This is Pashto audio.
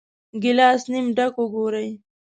ګیلاس نیم ډک وګورئ.